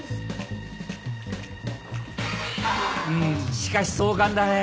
しかし壮観だねぇ。